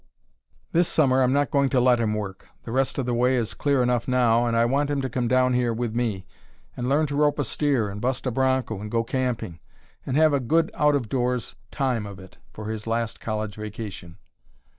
"This Summer I'm not going to let him work; the rest of the way is clear enough now, and I want him to come down here with me, and learn to rope a steer and bust a bronco and go camping, and have a good out doors time of it for his last college vacation."